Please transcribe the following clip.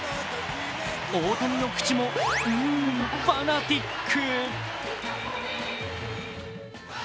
大谷の口も、うーん、ファナティック。